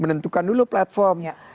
menentukan dulu platform